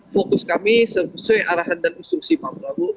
fokus kami sesuai arahan dan instruksi pak prabowo